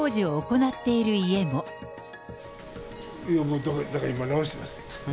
いやもう、だから今、直してます。